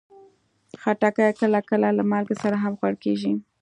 خټکی کله کله له مالګې سره هم خوړل کېږي.